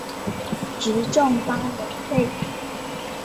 至正八年废。